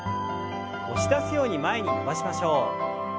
押し出すように前に伸ばしましょう。